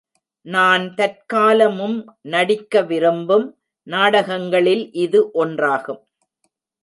நான் தற்கால மும் நடிக்க விரும்பும் நாடகங்களில் இது ஒன்றாகும்.